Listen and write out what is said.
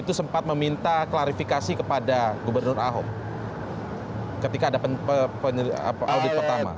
itu sempat meminta klarifikasi kepada gubernur ahok ketika ada audit pertama